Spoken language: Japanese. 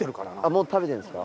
もう食べてるんですか？